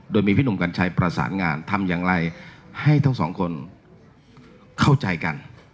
โดยมีพี่หนุ่มกัญชัยประสานงานทำอย่างไรให้ทั้งสองคนเข้าใจกัน